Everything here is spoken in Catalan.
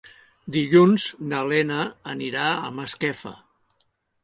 Dilluns na Lena anirà a Masquefa.